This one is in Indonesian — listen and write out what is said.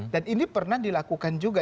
dan ini pernah dilakukan juga